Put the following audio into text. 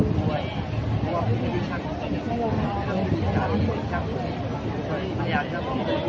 ถึงว่าจะมีผลอาธิบดำนอกให้ผลมาแค่ซูอา